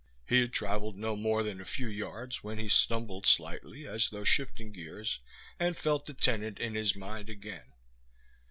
He had traveled no more than a few yards when he stumbled slightly, as though shifting gears, and felt the tenant in his mind again.